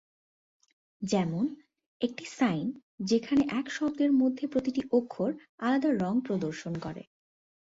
যেমন, একটি সাইন যেখানে এক শব্দের মধ্যে প্রতিটি অক্ষর আলাদা রং প্রদর্শন করে।